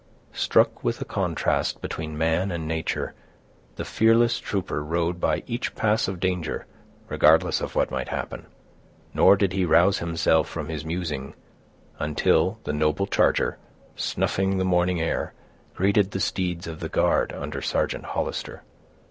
Struck with the contrast between man and nature, the fearless trooper rode by each pass of danger, regardless of what might happen; nor did he rouse himself from his musing, until the noble charger, snuffing the morning air, greeted the steeds of the guard under Sergeant Hollister.